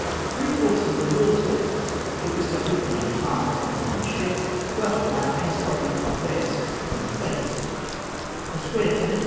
For three fourths of the wall surface it was covered with green tiles, oblong in shape, flat at the back, and slightly convex on the face (fig.